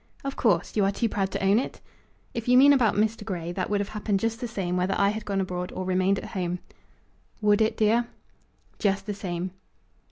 "Of course, you are too proud to own it?" "If you mean about Mr. Grey, that would have happened just the same, whether I had gone abroad or remained at home." "Would it, dear?" "Just the same."